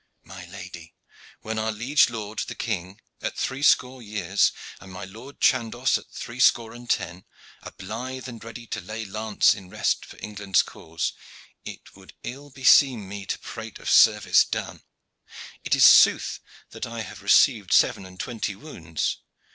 "My lady, when our liege lord, the king, at three score years, and my Lord Chandos at three score and ten, are blithe and ready to lay lance in rest for England's cause, it would ill be seem me to prate of service done. It is sooth that I have received seven and twenty wounds.